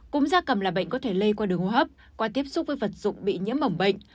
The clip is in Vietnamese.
cúm da cầm là bệnh có thể lây qua đường hô hấp qua tiếp xúc với vật dụng bị nhiễm mỏng bệnh